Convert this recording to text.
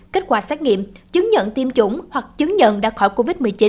kết quả xét nghiệm chứng nhận tiêm chủng hoặc chứng nhận đã khỏi covid một mươi chín